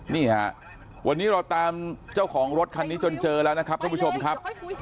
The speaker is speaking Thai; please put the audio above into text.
นี่ฮะวันนี้เราตามเจ้าของรถคันนี้จนเจอแล้วนะครับท่านผู้ชมครับ